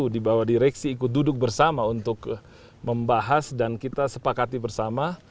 di bawah direksi ikut duduk bersama untuk membahas dan kita sepakati bersama